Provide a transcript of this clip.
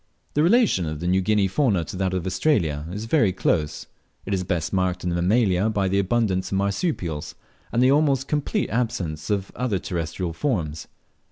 The relation of the New Guinea fauna to that of Australia is very close. It is best marked in the Mammalia by the abundance of marsupials, and the almost complete absence of all other terrestrial forms.